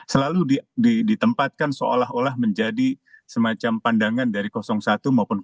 selalu ditempatkan seolah olah menjadi semacam pandangan dari satu maupun dua